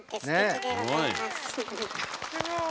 すごい。